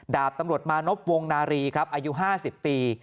ดาบตำรวจมานพวงนารีครับอายุ๕๐ปี